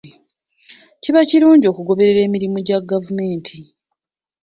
Kiba kirungi okugoberera emirimu gya gavumenti.